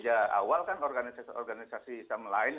jadi karena memang sudah sejak awal kan organisasi organisasi islam lain